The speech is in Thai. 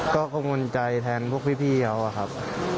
ก็กังวลใจแทนพวกพี่เขาอะครับ